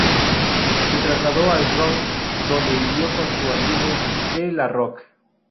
Se trasladó al Bronx, donde vivió con su amigo T La Rock.